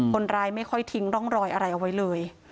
คนร้ายไม่ค่อยทิ้งร่องรอยอะไรเอาไว้เลย